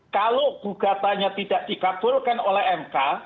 kalau gugatannya tidak dikabulkan oleh mk